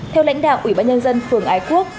theo lãnh đạo ủy ban nhân dân phường ái quốc